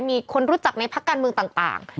มีคนรู้จักในพักการเมืองต่าง